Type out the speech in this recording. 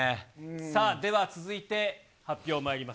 さあ、では続いて、発表まいります。